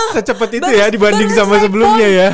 secepat itu ya dibanding sama sebelumnya ya